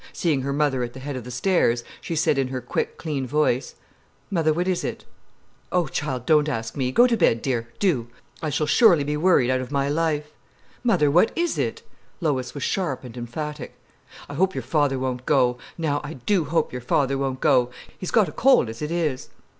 Seeing her mother at the head of the stairs, she said in her quick, clean voice: "Mother, what it it?" "Oh, child, don't ask me! Go to bed, dear, do! I shall surely be worried out of my life." "Mother, what is it?" Lois was sharp and emphatic. "I hope your father won't go. Now I do hope your father won't go. He's got a cold as it is."